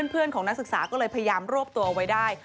เพื่อนของนักศึกษาก็เลยพยายามรวบตัวไว้ได้